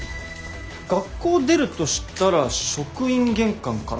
学校出るとしたら職員玄関からか。